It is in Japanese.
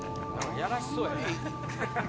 いやらしそうやな。